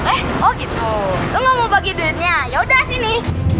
eh oh gitu mau bagi duitnya ya udah sini